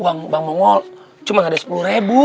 uang bang mongol cuma gak ada sepuluh ribu